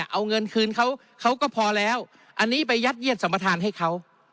เอาเงินคืนเขาเขาก็พอแล้วอันนี้ไปยัดเยียดสัมประธานให้เขา